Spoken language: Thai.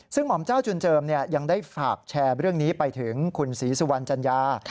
ซึ่งหม่อมเจ้าจุนเจิมยังได้ฝากแชร์เรื่องนี้ไปถึงคุณศรีสุวรรณจัญญา